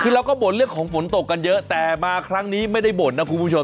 คือเราก็บ่นเรื่องของฝนตกกันเยอะแต่มาครั้งนี้ไม่ได้บ่นนะคุณผู้ชม